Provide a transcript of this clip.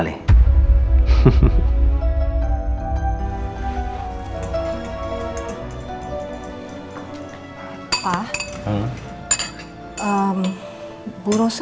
oh iya eh senang juga